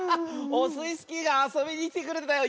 オスイスキーがあそびにきてくれたよ！